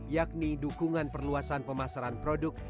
yakni dukungan perluasan pemasaran produk